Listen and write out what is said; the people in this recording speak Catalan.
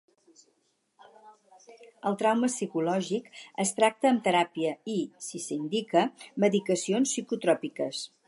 El trauma psicològic es tracta amb teràpia i, si s'indica, medicacions psicotròpiques.